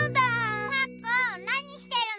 パックンなにしてるの？